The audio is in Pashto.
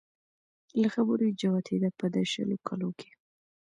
له خبرو يې جوتېده په د شلو کلو کې